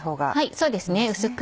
そうですね薄く。